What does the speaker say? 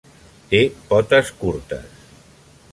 Té potes curtes.